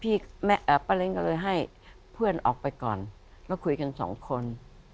พี่แม่เอ่อป้าเล้นก็เลยให้เพื่อนออกไปก่อนมาคุยกันสองคน